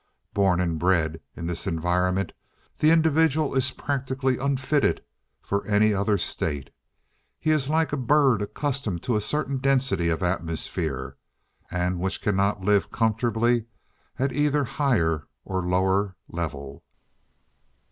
Born and bred in this environment, the individual is practically unfitted for any other state. He is like a bird accustomed to a certain density of atmosphere, and which cannot live comfortably at either higher or lower level.